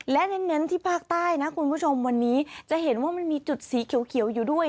และเน้นที่ภาคใต้นะคุณผู้ชมวันนี้จะเห็นว่ามันมีจุดสีเขียวอยู่ด้วย